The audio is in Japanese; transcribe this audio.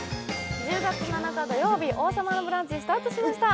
１０月７日土曜日、「王様のブランチ」スタートしました。